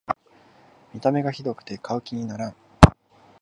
見た目がひどくて買う気にならん